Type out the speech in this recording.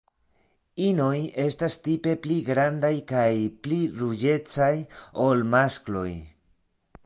Inoj estas tipe pli grandaj kaj pli ruĝecaj ol maskloj.